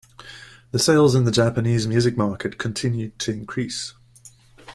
The sales in the Japanese music market continued to increase.